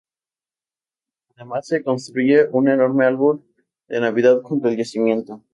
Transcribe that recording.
Además se construye un enorme árbol de navidad junto al nacimiento.